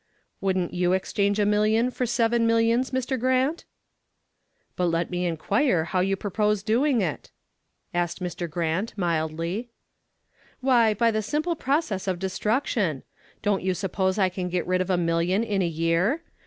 "Wouldn't you exchange a million for seven millions, Mr. Grant?" "But let me inquire how you purpose doing it?" asked Mr. Grant, mildly. "Why, by the simple process of destruction. Don't you suppose I can get rid of a million in a year?